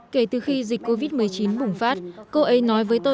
kể từ khi dịch covid một mươi chín bùng phát cô ấy nói với thái lan